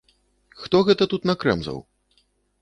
Хто гэта тут накрэмзаў?